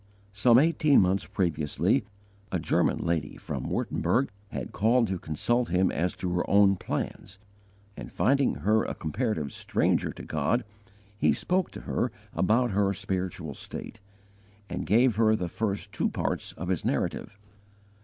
Some eighteen months previously, a German lady from Wurtemberg had called to consult him as to her own plans, and, finding her a comparative stranger to God, he spoke to her about her spiritual state, and gave her the first two parts of his Narrative.